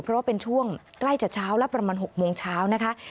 เพราะว่าเป็นช่วงใกล้จะเช้าแล้วประมาณ๖โมงเช้านะคะ